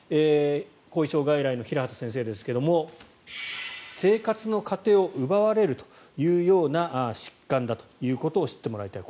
後遺症外来の平畑先生ですが生活の糧を奪われるというような疾患だということを知ってもらいたい。